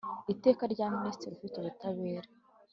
Iteka rya Minisitiri ufite Ubutabera